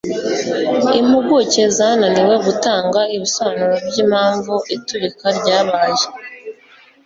Impuguke zananiwe gutanga ibisobanuro byimpamvu iturika ryabaye